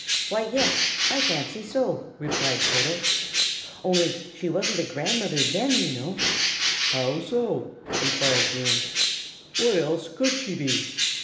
"Why, yes, I fancy so," replied Toto. "Only she wasn't a grandmother then, you know." "How so?" inquired Bruin. "What else could she be?